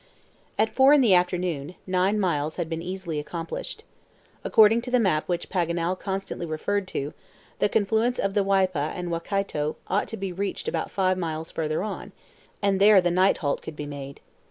At four in the afternoon, nine miles had been easily accomplished. According to the map which Paganel constantly referred to, the confluence of the Waipa and Waikato ought to be reached about five miles further on, and there the night halt could be made.